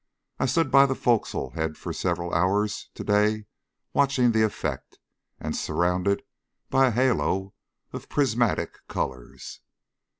I stood on the fo'csle head for several hours to day watching the effect, and surrounded by a halo of prismatic colours.